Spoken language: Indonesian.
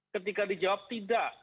ketika dijawab tidak